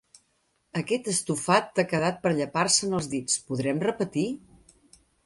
Aquest estofat t'ha quedat per llepar-se'n els dits. Podrem repetir?